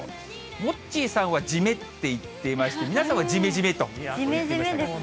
モッチーさんはじめって言っていまして、皆さんはじめじめと言ってましたけど。